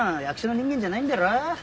役所の人間じゃないんだろ？